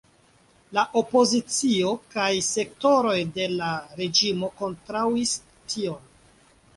La opozicio kaj sektoroj de la reĝimo kontraŭis tion.